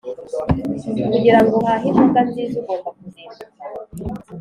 kugirango uhahe imboga nziza ugomba kuzinduka